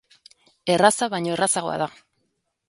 Erraza baino errazagoa da!